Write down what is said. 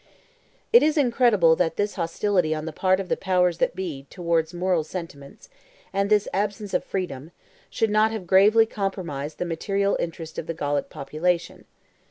It is incredible that this hostility on the part of the powers that be towards moral sentiments, and this absence of freedom, should not have gravely compromised the material interest of the Gallic population.